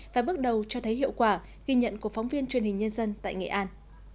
và bước đầu cho thấy hiệu quả ghi nhận của phóng viên truyền hình nhân dân tại nghệ an